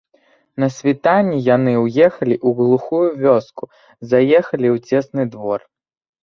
На світанні яны ўехалі ў глухую вёску, заехалі ў цесны двор.